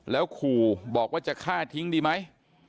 แล้วขู่บอกว่าจะฆ่าทิ้งดีไหม